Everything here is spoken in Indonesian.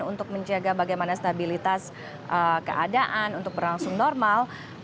untuk menjaga bagaimana stabilitas keadaan untuk berlangsung normal